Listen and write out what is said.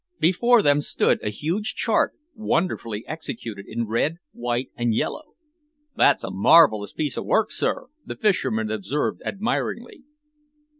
Before them stood a huge chart, wonderfully executed in red, white and yellow. "That's a marvellous piece of work, sir," the fisherman observed admiringly.